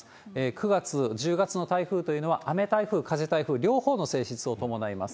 ９月、１０月の台風というのは、雨台風、風台風、両方の性質を伴います。